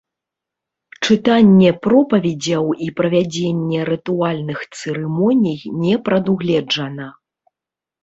Чытанне пропаведзяў і правядзенне рытуальных цырымоній не прадугледжана.